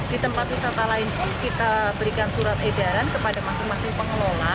di tempat wisata lain pun kita berikan surat edaran kepada masing masing pengelola